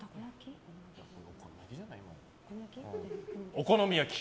お好み焼き？